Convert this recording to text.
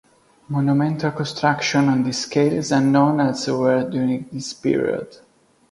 Monumental construction on this scale is unknown elsewhere during this period.